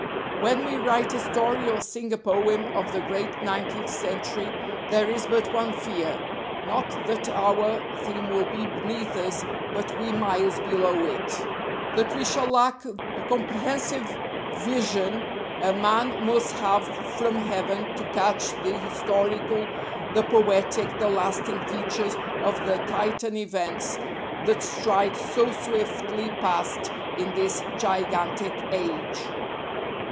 When we write a story or sing a poem of the great nineteenth century, there is but one fear not that our theme will be beneath us, but we miles below it; that we shall lack the comprehensive vision a man must have from heaven to catch the historical, the poetic, the lasting features of the Titan events that stride so swiftly past IN THIS GIGANTIC AGE.